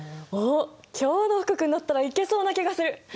おっ今日の福君だったらいけそうな気がする！